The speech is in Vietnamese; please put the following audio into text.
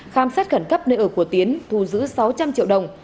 khám xét khẩn cấp nơi ở của tiến thu giữ sáu trăm linh triệu đồng